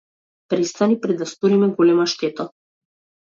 Престани пред да сториме голема штета.